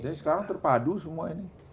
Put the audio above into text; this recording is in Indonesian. jadi sekarang terpadu semua ini